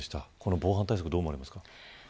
防犯対策どう思われますか。